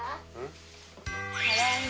ただいま。